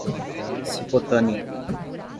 Cipotânea